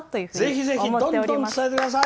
ぜひぜひ、どんどん伝えてください！